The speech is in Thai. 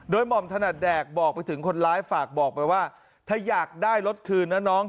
หม่อมถนัดแดกบอกไปถึงคนร้ายฝากบอกไปว่าถ้าอยากได้รถคืนนะน้อง